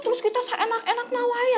terus kita seenak enak nawai ya